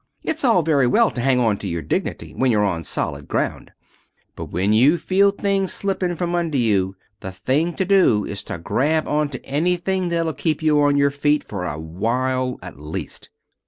It's all very well to hang on to your dignity when you're on solid ground, but when you feel things slipping from under you the thing to do is to grab on to anything that'll keep you on your feet for a while at least.